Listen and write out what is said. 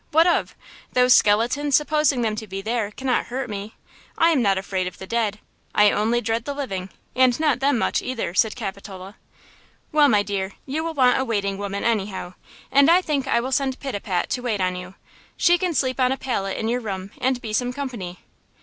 What of? Those skeletons, supposing them to be there, cannot hurt me! I am not afraid of the dead! I only dread the living, and not them much, either!" said Capitola. "Well, my dear, you will want a waiting woman, anyhow; and I think I will send Pitapat to wait on you; she can sleep on a pallet in your room, and be some company."